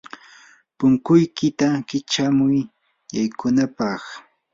punkuykiyta kichamuy yaykunapaq.